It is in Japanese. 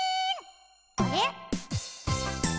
あれ？